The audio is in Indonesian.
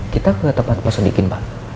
kita ke tempat masudikin pak